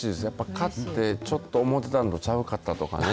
買ってちょっと思ってたのとちゃうかったとかね。